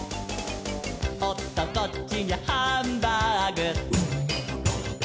「おっとこっちにゃハンバーグ」